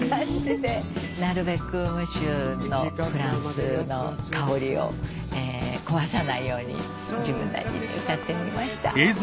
なるべくムッシュのフランスのかおりを壊さないように自分なりに歌ってみました。